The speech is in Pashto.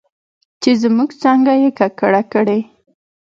چې زموږ څانګه یې ککړه کړې